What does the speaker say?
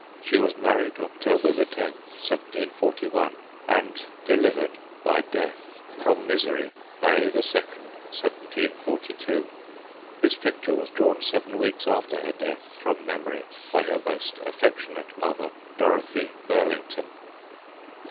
She was marry'd October the 10th, 1741, and delivered (by death) from misery May the 2nd, 1742. This picture was drawn seven weeks after her death (from memory) by her most affectionate mother, Dorothy Burlington.